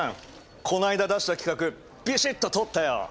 この間出した企画ビシッと通ったよ！